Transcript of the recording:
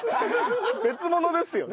別物ですよ。